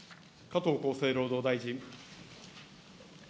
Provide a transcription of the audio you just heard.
加藤厚生労働大臣。